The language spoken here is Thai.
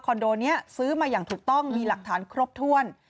โดนี้ซื้อมาอย่างถูกต้องมีหลักฐานครบถ้วน